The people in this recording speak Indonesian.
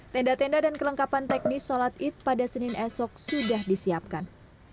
tenda tenda dan kelengkapan teknis sholat id pada senin esok sudah disiapkan